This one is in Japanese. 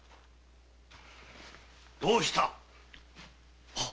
どうした？